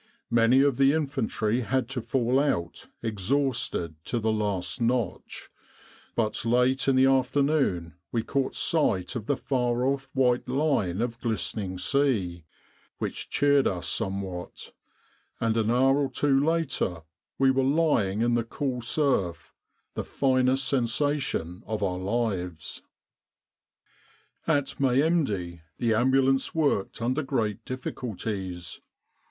Many of the infantry had to fall out, exhausted to the last notch. But late in the afternoon we caught sight of the far off white line of glistening sea, which cheered us somewhat; and an hour or two later we were lying in the cool surf the finest sensation of our lives. 114 The Sinai Desert Campaign "At Mehemdia the Ambulance worked under great difficulties.